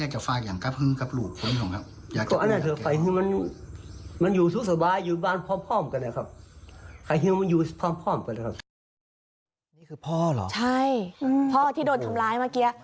ใช่พ่อที่โดนทำร้ายเมื่อกี้